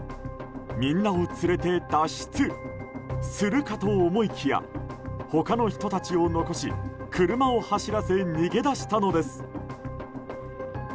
みんなを連れて脱出するかと思いきや他の人たちを残し車を走らせ逃げ出したのです。